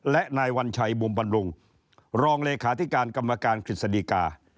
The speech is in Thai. และนายวัญชัยบุมบำรุงรองเลขาธิการกรรมการกฤษฎีกา